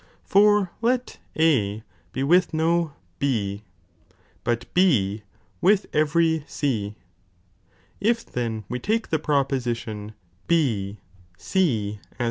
For let A be with no B, but B with every C, if then we take the proposition B Ex..